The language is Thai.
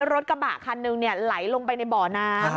รถกระบะคันหนึ่งไหลลงไปในบ่อน้ำ